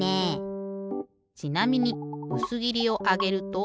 ちなみにうすぎりをあげると。